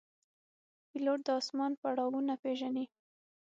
پیلوټ د آسمان پړاوونه پېژني.